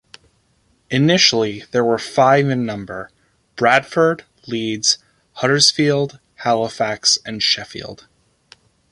Initially there were five in number: Bradford, Leeds, Huddersfield, Halifax, and Sheffield.